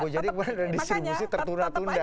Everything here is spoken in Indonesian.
jadi redistribusi tertunda tunda